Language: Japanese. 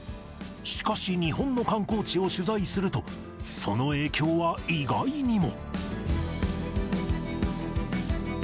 しかし、日本の観光地を取材すると、その影響は意外にも。